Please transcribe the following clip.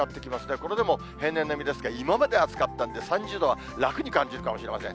これでも平年並みですが、今まで暑かったんで、３０度は楽に感じるかもしれません。